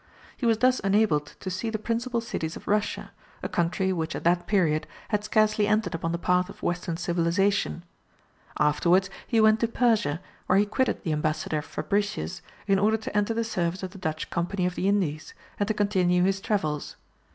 He was thus enabled to see the principal cities of Russia, a country which at that period had scarcely entered upon the path of western civilization; afterwards he went to Persia, where he quitted the Ambassador Fabricius, in order to enter the service of the Dutch Company of the Indies, and to continue his travels.